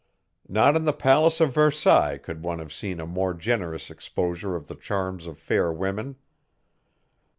Not in the palace of Versailles could one have seen a more generous exposure of the charms of fair women.